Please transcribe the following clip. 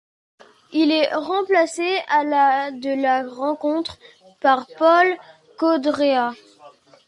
Il est remplacé à la de la rencontre par Paul Codrea.